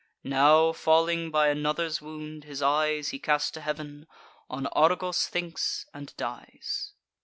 Now, falling by another's wound, his eyes He cast to heav'n, on Argos thinks, and dies.